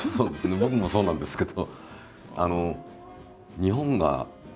僕もそうなんですけど。